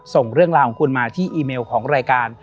ส่งเรื่องราวของคุณมาที่อีเมลของรายการ